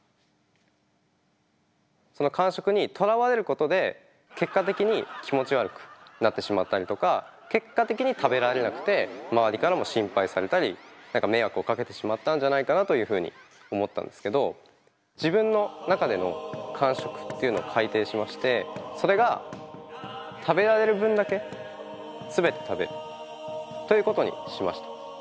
完食にとらわれることで結果的に気持ち悪くなってしまったりとか結果的に食べられなくて周りからも心配されたり迷惑をかけてしまったんじゃないかなというふうに思ったんですけど自分の中での完食っていうのを改訂しましてそれが食べられる分だけ全て食べるということにしました。